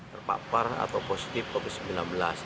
terpapar atau positif covid sembilan belas